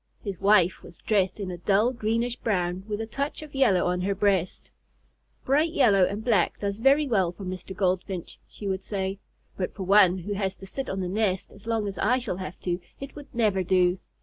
His wife was dressed in a dull, greenish brown with a touch of yellow on her breast. "Bright yellow and black does very well for Mr. Goldfinch," she would say, "but for one who has to sit on the nest as long as I shall have to, it would never do.